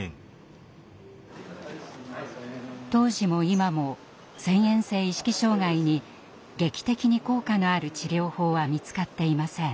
当時も今も遷延性意識障害に劇的に効果のある治療法は見つかっていません。